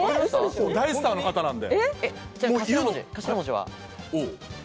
大スターの方なんで。